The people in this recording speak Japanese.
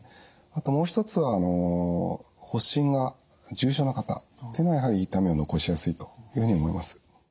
あともう一つは発疹が重症な方っていうのはやはり痛みを残しやすいというふうに思います。